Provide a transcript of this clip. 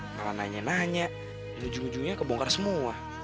malah nanya nanya ujung ujungnya kebongkar semua